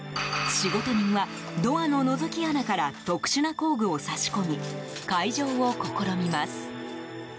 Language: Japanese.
仕事人はドアの、のぞき穴から特殊な工具を差し込み開錠を試みます。